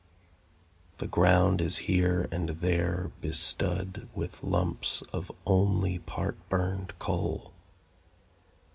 The ground is here and there bestud With lumps of only part burned coal.